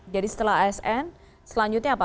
jadi setelah asn selanjutnya apa